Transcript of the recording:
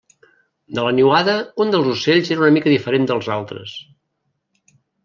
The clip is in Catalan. De la niuada, un dels ocells era una mica diferent dels altres.